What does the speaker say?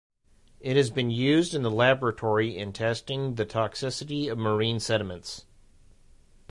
It has been used in the laboratory in testing the toxicity of marine sediments.